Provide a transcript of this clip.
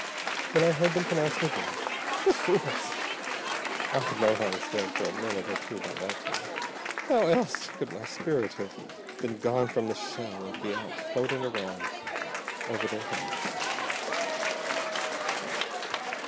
Then I heard them pronounce me dead. The fools! I had known I was dead for a minute or two by that time, else how could my spirit have been gone from the shell and be out floating around over their heads?"